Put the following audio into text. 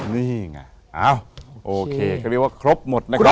นี่ไงอ้าวโอเคก็เรียกว่าครบหมดนะครับ